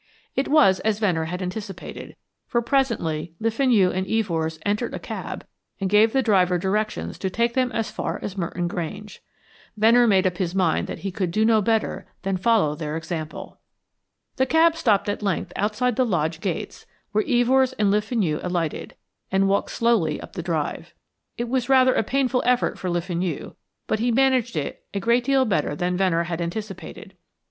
It was as Venner had anticipated, for presently Le Fenu and Evors entered a cab and gave the driver directions to take them as far as Merton Grange. Venner made up his mind that he could do no better than follow their example. The cab stopped at length outside the lodge gates, where Evors and Le Fenu alighted, and walked slowly up the drive. It was rather a painful effort for Le Fenu, but he managed it a great deal better than Venner had anticipated.